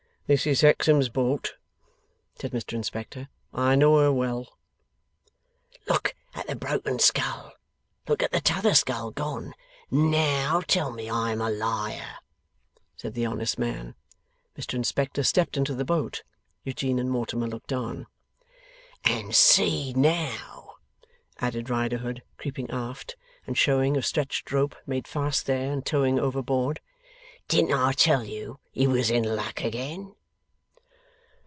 ') 'This is Hexam's boat,' said Mr Inspector. 'I know her well.' 'Look at the broken scull. Look at the t'other scull gone. NOW tell me I am a liar!' said the honest man. Mr Inspector stepped into the boat. Eugene and Mortimer looked on. 'And see now!' added Riderhood, creeping aft, and showing a stretched rope made fast there and towing overboard. 'Didn't I tell you he was in luck again?